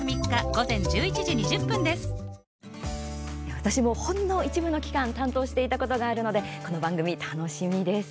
私もほんの一部の期間担当していたことがあるのでこの番組楽しみです。